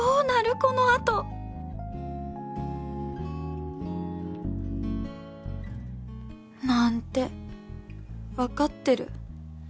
このあとなんて分かってる